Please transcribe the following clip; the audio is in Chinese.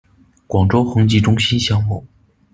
广州恒基中心项目